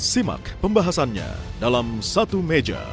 simak pembahasannya dalam satu meja